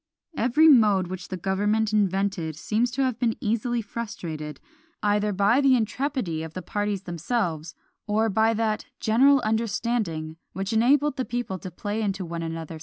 Every mode which the government invented seems to have been easily frustrated, either by the intrepidity of the parties themselves, or by that general understanding which enabled the people to play into one another's hands.